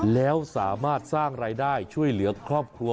แล้วสามารถสร้างรายได้ช่วยเหลือครอบครัว